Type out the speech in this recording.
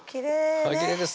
はいきれいです